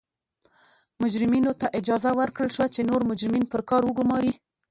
مجرمینو ته اجازه ورکړل شوه چې نور مجرمین پر کار وګوماري.